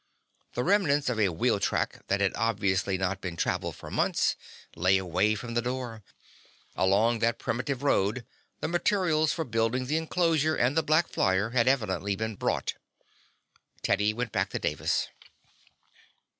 The remnant of a wheel track that had obviously not been traveled for months led away from the door. Along that primitive road the materials for building the inclosure and the black flyer had evidently been brought. Teddy went back to Davis.